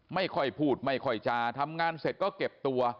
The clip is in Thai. ไม่ค่อยพูดไม่ค่อยจาทำงานเสร็จก็เก็บตัว